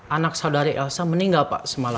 anak saudari elsa meninggal pak